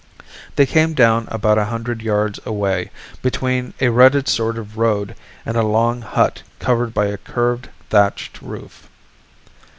They came down about a hundred yards away, between a rutted sort of road and a long hut covered by a curved, thatched roof.